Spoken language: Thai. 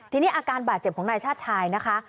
ทีนี้อาการบาดเจ็บของนายชาติชายนะคะ